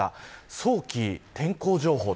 早期天候情報。